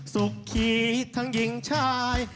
สกคิดทังเยี่ยงใจ